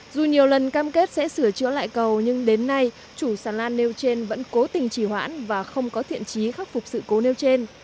dù nhiều lần cam kết sẽ sửa chữa lại cầu nhưng đến nay chủ xà lan nêu trên vẫn cố tình chỉ hoãn và không có thiện trí khắc phục sự cố nêu trên